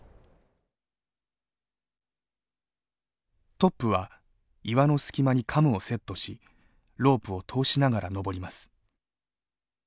トップは岩の隙間にカムをセットしロープを通しながら登ります。